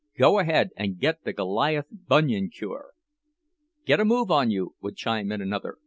"Go and get the Goliath Bunion Cure." "Get a move on you!" would chime in another.